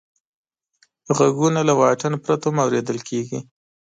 غږونه له واټن پرته هم اورېدل کېږي.